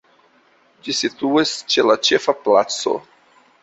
Ĝi situas ĉe la Ĉefa Placo.